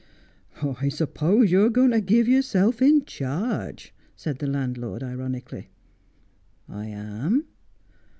' I suppose you are going to give yourself in charge,' said the landlord ironically. ' I am.'